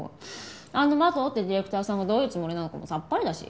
あの麻藤ってディレクターさんがどういうつもりなのかもさっぱりだし。